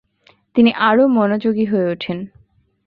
তিনি আরও মনোযোগী হয়ে ওঠেন।